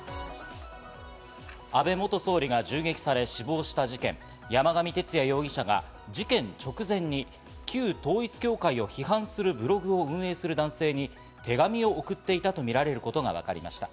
安倍元総理が銃撃され死亡した事件、山上徹也容疑者が事件直前に旧統一教会を批判するブログを運営する男性に手紙を送っていたとみられることがわかりました。